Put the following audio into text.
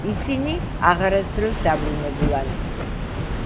ისინი აღარასდროს დაბრუნებულან.